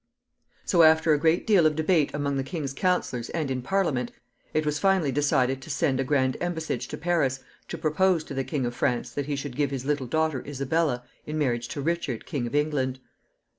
So, after a great deal of debate among the king's counselors and in Parliament, it was finally decided to send a grand embassage to Paris to propose to the King of France that he should give his little daughter Isabella in marriage to Richard, King of England.